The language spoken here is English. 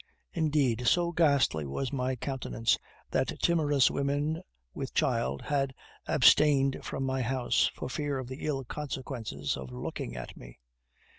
Indeed, so ghastly was my countenance, that timorous women with child had abstained from my house, for fear of the ill consequences of looking at me.